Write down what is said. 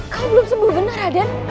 kau belum sembuh benar adian